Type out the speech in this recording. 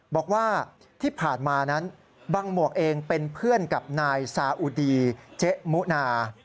บอกว่าที่ผ่านมานั้นบังหมวกเองเป็นเพื่อนกับนายซาอุดีเจ๊มุนา